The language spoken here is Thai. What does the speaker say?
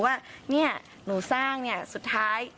ว่าเนี่ยหนูสร้างเนี่ยสุดท้าย